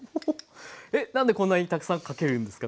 えっなんでこんなにたくさんかけるんですか？